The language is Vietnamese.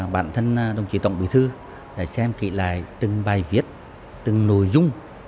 bản thân đồng chí tổng bí thư đã xem kỹ lại từng bài viết từng nội dung